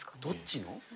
どっちの？